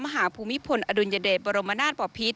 มหาภูมิพลอดุญเดชรบรมนาตรประพิษ